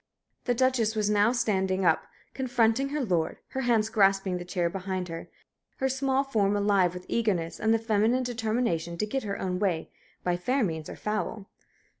The Duchess was now standing up, confronting her lord, her hands grasping the chair behind her, her small form alive with eagerness and the feminine determination to get her own way, by fair means or foul.